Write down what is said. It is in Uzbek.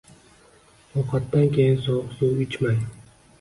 Ovqatdan keyin sovuq suv ichmang.